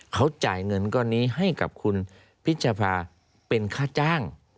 เขาจ่ายเงินก้อนนี้ให้กับคุณพิชภาเป็นค่าจ้าง